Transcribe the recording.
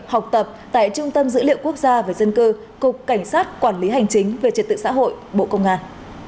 học tập tại trung tâm dữ liệu quốc gia về dân cư cục cảnh sát quản lý hành chính về trật tự xã hội bộ công an